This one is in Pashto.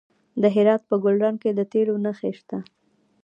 د هرات په ګلران کې د تیلو نښې شته.